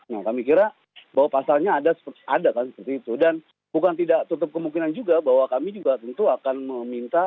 nah kami kira bahwa pasalnya ada kan seperti itu dan bukan tidak tutup kemungkinan juga bahwa kami juga tentu akan meminta